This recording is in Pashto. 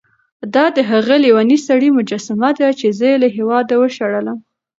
دا د هغه لېوني سړي مجسمه ده چې زه یې له هېواده وشړلم.